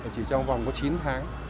chỉ trong vòng có chín tháng